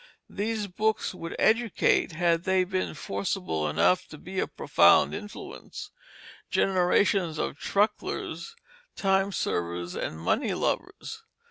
These books would educate (had they been forcible enough to be of profound influence) generations of trucklers, time servers, and money lovers.